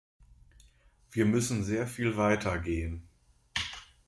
Wir müssen sehr viel weiter gehen.